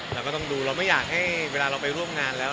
เราก็ต้องดูเราไม่อยากให้เวลาเราไปร่วมงานแล้ว